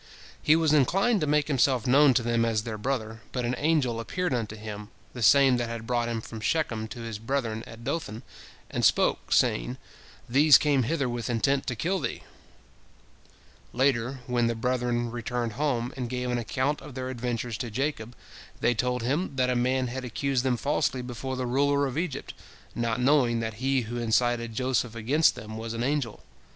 He was inclined to make himself known to them as their brother, but an angel appeared unto him, the same that had brought him from Shechem to his brethren at Dothan, and spoke, saying, "These came hither with intent to kill thee." Later, when the brethren returned home, and gave an account of their adventures to Jacob, they told him that a man had accused them falsely before the ruler of Egypt, not knowing that he who incited Joseph against them was an angel.